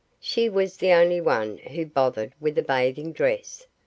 She was the only one who bothered with a bathing dress.